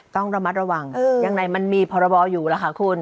ต้องระมัดระวังยังไงมันมีพรบอยู่ล่ะค่ะคุณ